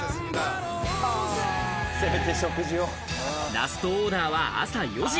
ラストオーダーは朝４時。